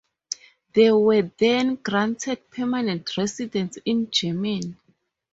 They were then granted permanent residency in Germany.